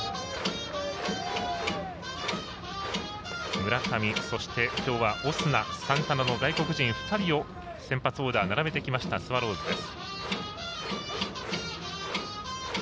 村上、そして、きょうはオスナサンタナの外国人２人を先発オーダー並べてきましたスワローズです。